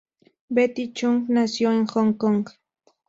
Betty Chung nació en Hong Kong.